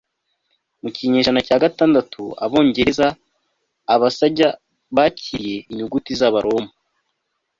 mu kinyejana cya gatandatu, abongereza-abasajya bakiriye inyuguti z'abaroma